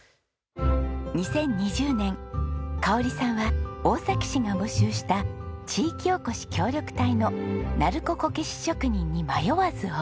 ２０２０年香さんは大崎市が募集した地域おこし協力隊の鳴子こけし職人に迷わず応募。